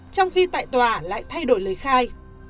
trong khi tại tòa lại thay đổi lời khai